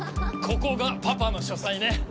ここがパパの書斎ね。